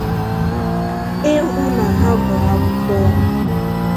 ịhụ na ha gụrụ akwụkwọ